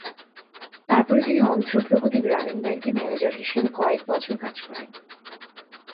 তারপরে তিনি অন্ধ্র প্রগতি গ্রামীণ ব্যাংকে ম্যানেজার হিসাবে কয়েক বছর কাজ করেন।